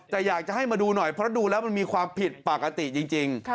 แต่อยากจะให้มาดูหน่อยเพราะดูแล้วมันมีความผิดปกติจริง